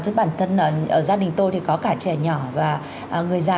chứ bản thân ở gia đình tôi thì có cả trẻ nhỏ và người già